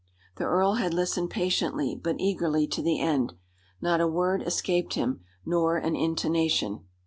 The earl had listened patiently, but eagerly, to the end. Not a word escaped him, nor an intonation.